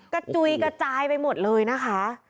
จุยกระจายไปหมดเลยนะคะ